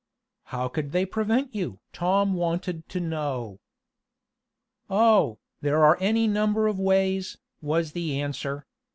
"How could they prevent you?" Tom wanted to know. "Oh, there are any number of ways," was the answer.